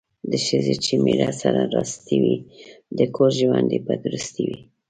د ښځې چې میړه سره راستي وي، د کور ژوند یې په درستي وي.